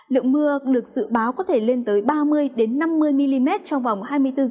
lượng mưa được dự báo có thể lên tới ba mươi năm mươi mm trong vòng hai mươi bốn h